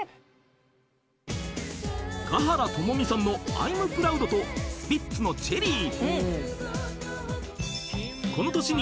［華原朋美さんの『Ｉ’ｍｐｒｏｕｄ』とスピッツの『チェリー』］